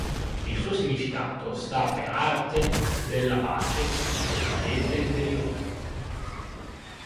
Il suo significato sta per: "Arte della pace, della quiete interiore".